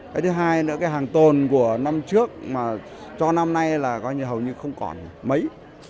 cái thứ hai nữa cái hàng tồn của năm trước mà cho năm nay là coi như hầu như không còn mấy